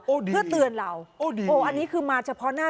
เดี๋ยวเพื่อเตือนเราโอ้ดีโอ้อันนี้คือมาเฉพาะหน้า